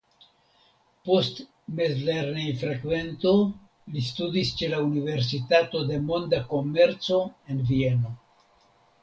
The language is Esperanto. Post mezlernejfrekvento li studis ĉe la Universitato de Monda Komerco en Vieno.